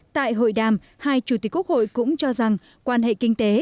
tại hội đàm hai chủ tịch quốc hội cũng cho rằng quan hệ kinh tế